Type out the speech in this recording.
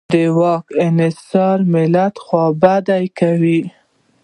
د واک انحصار ملت خوابدی کوي.